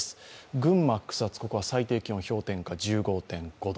群馬・草津、ここは最低気温、氷点下１５．５度。